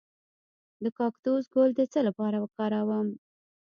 د کاکتوس ګل د څه لپاره وکاروم؟